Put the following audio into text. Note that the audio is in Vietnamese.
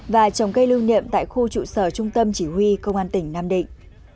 và trồng cây lưu niệm tại khu trụ sở trung tâm chỉ huy công an tỉnh nam định